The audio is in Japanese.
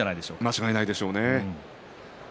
間違いないでしょうね。